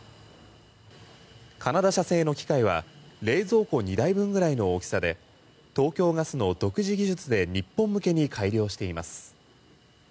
カナダ社製の機械は冷蔵庫２台分ぐらいの大きさで東京ガスの独自技術で日本向けに改良しています。